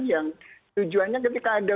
yang tujuannya ketika ada